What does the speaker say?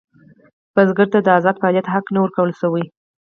کروندګرو ته د ازاد فعالیت حق نه و ورکړل شوی.